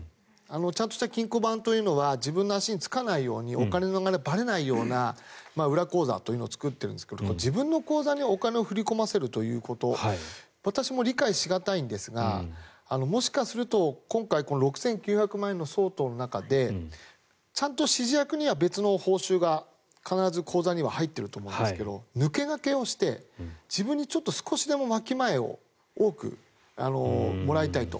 ちゃんとした金庫番は自分の足がつかないようにお金の流れがばれないような裏口座を作っているんですが自分の口座にお金を振り込ませるということ私も理解し難いんですがもしかすると今回、６９００万円相当の中でちゃんと指示役には別の報酬が必ず口座には入っていると思うんですが抜け駆けをして自分に少しでも分け前を多くもらいたいと。